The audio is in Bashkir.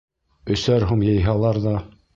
Өсәр һум йыйһалар ҙа...